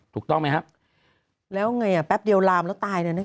ถูกต้องไหมครับแล้วไงอ่ะแป๊บเดียวลามแล้วตายเนี่ย